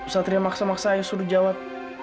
satria maksa maksa yang suruh jawab